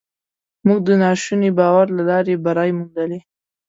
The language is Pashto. موږ د ناشوني باور له لارې بری موندلی.